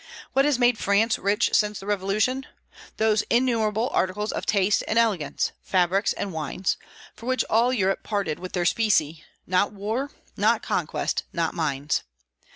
What has made France rich since the Revolution? Those innumerable articles of taste and elegance fabrics and wines for which all Europe parted with their specie; not war, not conquest, not mines.